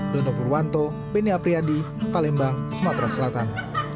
dono purwanto beni apriyadi palembang sumatera selatan